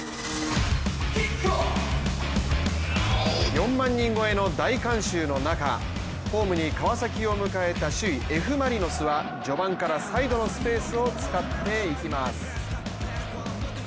４万人超えの大観衆の中ホームに川崎を迎えた首位Ｆ・マリノスは序盤からサイドのスペースを使っていきます。